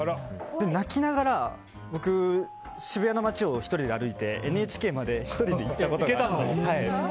泣きながら、僕渋谷の街を１人で歩いてＮＨＫまで１人で行って。